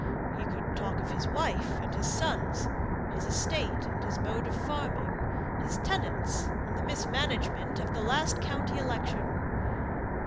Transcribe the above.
He could talk of his wife and his sons, his estate, and his mode of farming; his tenants, and the mismanagement of the last county election.